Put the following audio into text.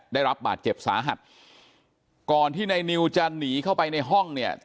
ได้รับบาดเจ็บสาหัสก่อนที่นายนิวจะหนีเข้าไปในห้องเนี่ย